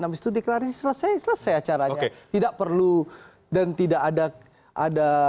hinam istri the slc slce acaranya tidak perlu dan tidak ada ada tidak ada asli pilihan perangai sertairesi induk nya jerson